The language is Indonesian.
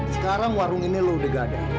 sekarang warung ini lo udah gak ada